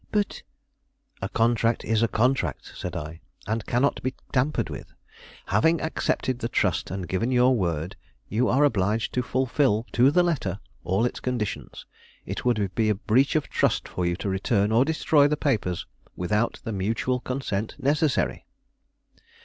"But " "A contract is a contract," said I, "and cannot be tampered with. Having accepted the trust and given your word, you are obliged to fulfil, to the letter, all its conditions. It would be a breach of trust for you to return or destroy the papers without the mutual consent necessary."